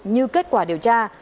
như kết quả điều tra